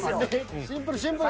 シンプルシンプル。